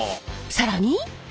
更に！